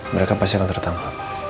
mereka pasti akan tertangkap